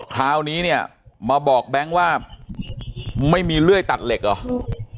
คราวนี้เนี่ยมาบอกแบงค์ว่าไม่มีเลื่อยตัดเหล็กเหรอ